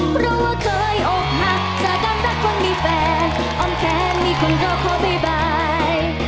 เพราะว่าเคยอกหักจากการรักคนมีแฟนอ้อมแขนมีคนก็ขอบ๊าย